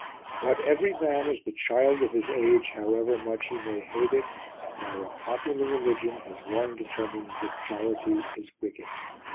But every man is the child of his age, however much he may hate it; and our popular religion has long determined that jollity is wicked.